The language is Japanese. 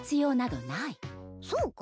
そうか？